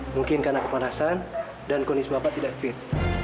mungkin karena kepanasan dan kondisi bapak tidak fit